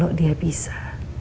kalau dia bisa